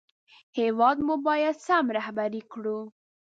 هېواد مو باید سم رهبري کړو